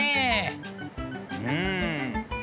うん。